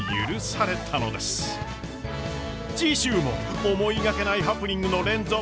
次週も思いがけないハプニングの連続！